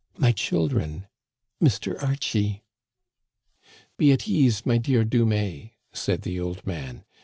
My children ! Mr. Archie !"^' Be at ease, my dear Dumais," said the old man.